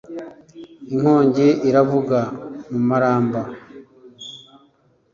Inkongi iravuga mu Maramba,